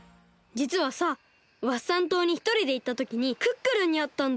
じつはさワッサン島にひとりでいったときにクックルンにあったんだ。